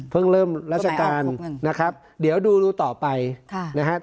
เริ่มราชการนะครับเดี๋ยวดูต่อไปนะครับ